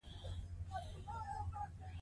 هغه په قوم خوګیاڼی وو.